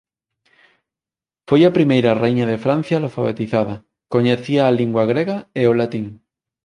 Foi a primeira raíña de Francia alfabetizada; coñecía a lingua grega e o latín.